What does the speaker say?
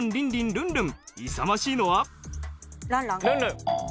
ルンルン。